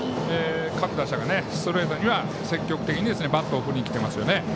各打者がストレートには積極的にバットを振りに来ていますね。